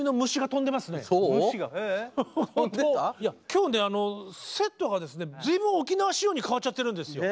今日ねセットがですね随分沖縄仕様に変っちゃってるんですよ。